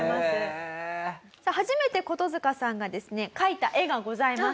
初めてコトヅカさんがですね描いた絵がございます。